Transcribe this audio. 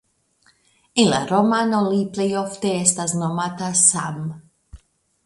En la romano li plej ofte estas nomata Sam.